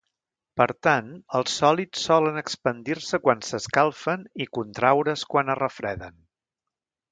Per tant, els sòlids solen expandir-se quan s'escalfen i contraure's quan es refreden.